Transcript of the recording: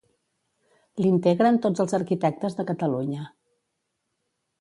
L'integren tots els arquitectes de Catalunya.